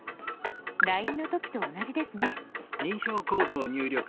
ＬＩＮＥの時と同じですね。